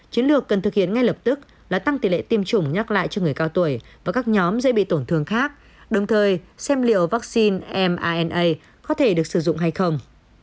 chiến lược cần thực hiện ngay lập tức là tăng tỷ lệ tiêm chủng nhắc lại cho người cao tuổi và các nhóm dễ bị tổn thương khác đồng thời xem liệu vaccine m a có thể được sử dụng hay không